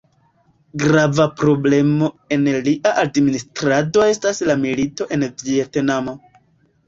Grava problemo en lia administrado estas la milito en Vjetnamo.